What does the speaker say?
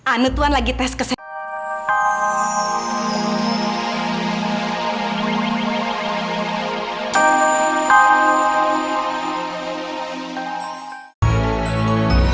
anu tuhan lagi tes kesehatan